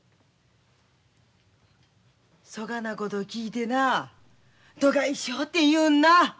そがなこと聞いてなどがいしようて言うんな？